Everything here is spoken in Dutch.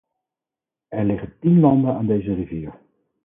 Er liggen tien landen aan deze rivier.